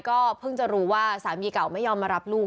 ก็เพิ่งจะรู้ว่าสามีเก่าไม่ยอมมารับลูก